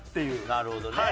なるほどね。